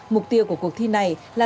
mục tiêu của cuộc thi này là